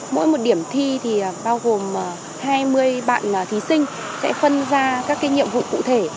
mỗi một điểm thi thì bao gồm hai mươi bạn thí sinh sẽ phân ra các nhiệm vụ cụ thể